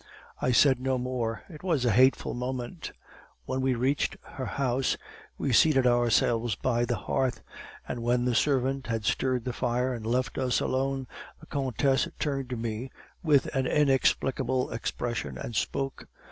I said no more; it was a hateful moment. When we reached her house, we seated ourselves by the hearth, and when the servant had stirred the fire and left us alone, the countess turned to me with an inexplicable expression, and spoke.